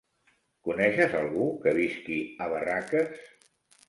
Coneixes algú que visqui a Barraques?